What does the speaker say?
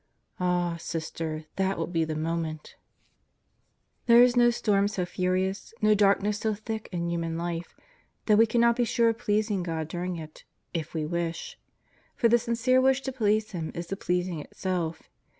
Ah, Sister, that will be the moment 1 There is no storm so furious, no darkness so thick in human life, that we cannot be sure of pleasing God during it, if we wish; for the sincere wish to please Him is the pleasing itself.